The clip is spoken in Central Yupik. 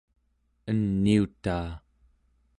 eniutaa